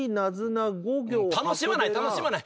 楽しまない楽しまない。